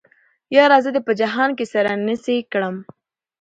ياره زه دې په جهان کې سره نيڅۍ کړم